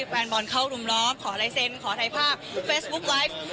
แฟนบอลเข้ารุมล้อมขอลายเซ็นต์ขอถ่ายภาพเฟซบุ๊คไว้